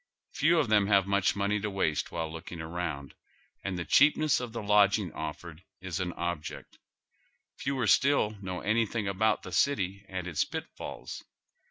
Few of them have much money to waste while looking around, and the cheapness of the lodging offered is an object. Fewer still know anything about the city and its pitfalls.